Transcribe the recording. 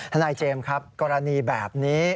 ทนายเจมส์ครับกรณีแบบนี้